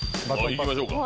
行きましょうか。